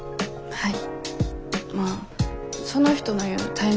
はい。